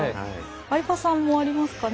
相葉さんもありますかね？